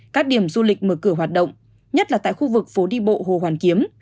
các điểm du lịch mở cửa hoạt động nhất là tại khu vực phố đi bộ hồ hoàn kiếm